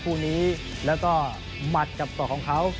คู่นี้แล้วก็หมัดกับศอกของเขา